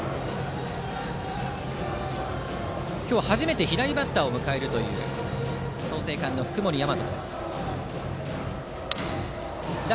今日初めて左バッターを迎えるという創成館の福盛大和。